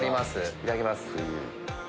いただきます。